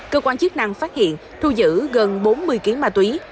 cơ quan chức năng phát hiện thu giữ gần bốn mươi kg ma túy